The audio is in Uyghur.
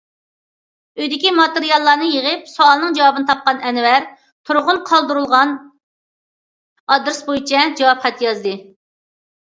ئۆيدىكى ماتېرىياللارنى يىغىپ سوئالنىڭ جاۋابىنى تاپقان ئەنۋەر تۇرغۇن قالدۇرۇلغان ئادرېس بويىچە جاۋاب خەت يازدى.